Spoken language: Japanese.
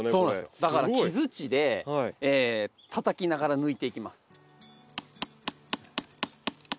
だから木づちでたたきながら抜いていきます。